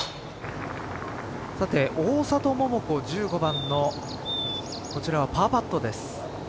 大里桃子、１５番のこちらはパーパットです。